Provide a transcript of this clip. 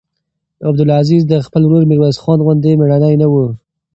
عبدالعزیز د خپل ورور میرویس خان غوندې مړنی نه و.